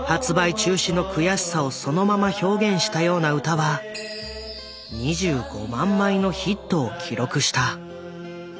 中止の悔しさをそのまま表現したような歌は２５万枚のヒットを記録した。